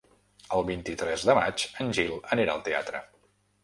El vint-i-tres de maig en Gil anirà al teatre.